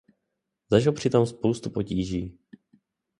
Zažil při tom spoustu potíží.